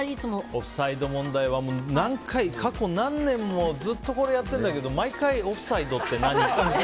オフサイド問題は過去、何年もずっとやっているけど毎回オフサイドって何って。